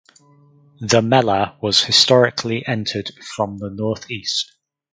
The Mellah was historically entered from the northeast.